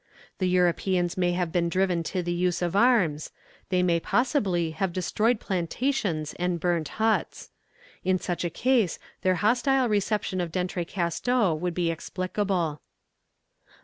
The Europeans may have been driven to the use of arms: they may possibly have destroyed plantations and burnt huts. In such a case their hostile reception of D'Entrecasteaux would be explicable.